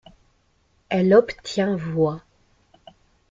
Elle obtient voix.